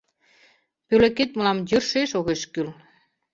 Пӧлекет мылам йӧршеш огеш кӱл.